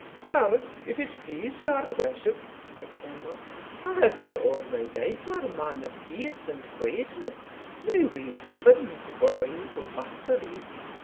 "Sir, if it please your worship," said Campbell, "I have been all my life a man of peace and quietness, noways given to broils or batteries.